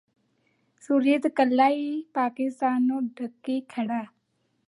ਸੁਰਜੀਤ ਕੱਲਾ ਈ ਪਾਕਿਸਤਾਨ ਨੂੰ ਡੱਕੀ ਖੜ੍ਹੈ